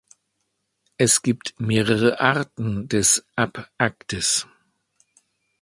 Es gibt mehrere Arten des "ab actis".